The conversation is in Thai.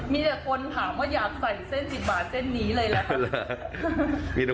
ไม่มีโทง